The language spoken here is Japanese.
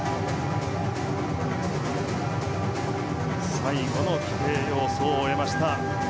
最後の規定要素を終えました。